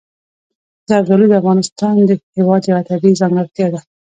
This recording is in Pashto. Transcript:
زردالو د افغانستان هېواد یوه طبیعي ځانګړتیا ده.